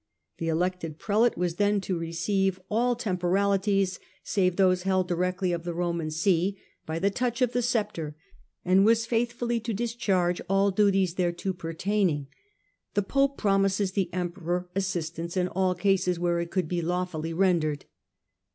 The elected prelate was then to receive all Digitized by VjOOQIC 2 1 8 HlLDEBRAND temporalities, save those held directly of the Roman see, by the touch of the sceptre, and was faithfully to discharge all duties thereto pertaining. The pope pro mises the emperor assistance in all cases where it could be lawfully rendered.